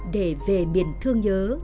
để về miền thương nhớ